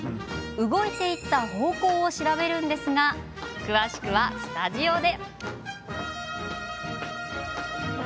動いていった方向を調べるんですが詳しくはスタジオで。